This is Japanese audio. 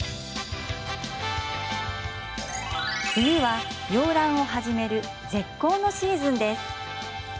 冬は洋ランを始める絶好のシーズンです。